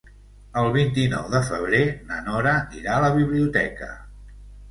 El vint-i-nou de febrer na Nora irà a la biblioteca.